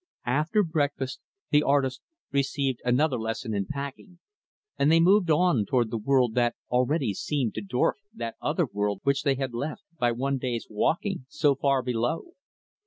After breakfast, the artist received another lesson in packing, and they moved on toward the world that already seemed to dwarf that other world which they had left, by one day's walking, so far below.